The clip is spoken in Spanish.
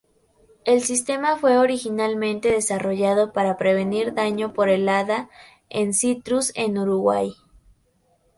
El sistema fue originalmente desarrollado para prevenir daño por helada en citrus en Uruguay.